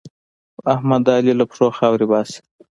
احمد د علي له پښو خاورې باسي.